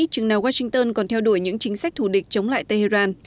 chừng nào washington còn theo đuổi những chính sách thù địch chống lại tehran